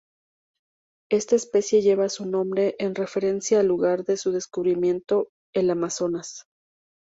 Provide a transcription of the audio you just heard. Esta especie lleva su nombre en referencia al lugar de su descubrimiento, el Amazonas.